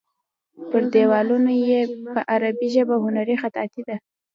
پر دیوالونو یې په عربي ژبه هنري خطاطي ده.